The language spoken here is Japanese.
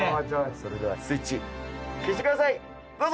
それではスイッチ消してくださいどうぞ。